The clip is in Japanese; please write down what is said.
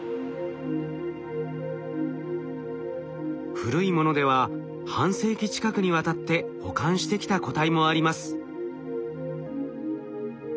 古いものでは半世紀近くにわたって保管してきた個体もあります。